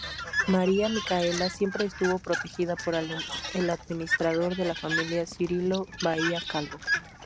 María Micaela siempre estuvo protegida por el administrador de la familia, Cirilo Bahía Calvo.